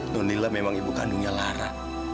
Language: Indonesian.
nunillah memang ibu kandungnya lara